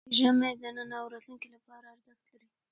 افغانستان کې ژمی د نن او راتلونکي لپاره ارزښت لري.